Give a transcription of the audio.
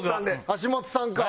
橋本さんか。